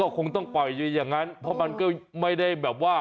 คงต้องปล่อยอยู่อย่างนั้นเพราะมันก็ไม่ได้แบบว่า